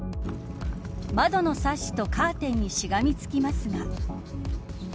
窓のサッシとカーテンにしがみつきますが。